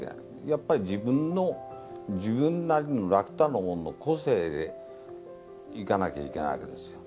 やっぱり自分の、自分なりの楽太郎の個性でいかなきゃいけないわけですよ。